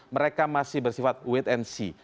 mereka masih bersifat wait and see